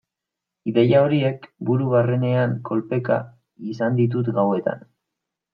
Ideia horiek buru barrenean kolpeka izan ditut gauetan.